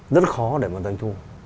rất khó để mà doanh thu